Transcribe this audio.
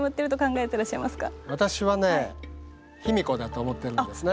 私はね卑弥呼だと思ってるんですね